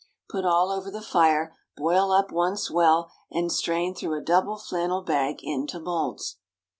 Put all over the fire, boil up once well, and strain through a double flannel bag into moulds.